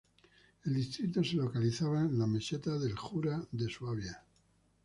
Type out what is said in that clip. El distrito se localiza en las mesetas de el Jura de Suabia.